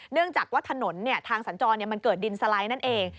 เนื่องจากว่าถนนทางสัญจรมันเกิดดินสไลด์นั่นเอง